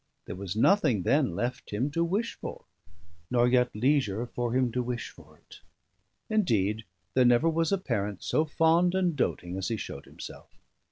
There was nothing then left him to wish for; nor yet leisure for him to wish for it. Indeed, there never was a parent so fond and doting as he showed himself.